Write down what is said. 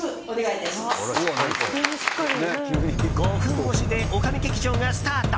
５分押しで女将劇場がスタート。